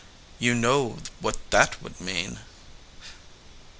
"You know what that would mean?"